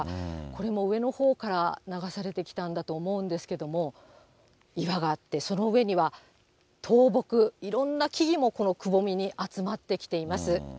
これも上のほうから流されてきたんだと思うんですけども、岩があって、その上には倒木、いろんな木々もくぼみに集まってきています。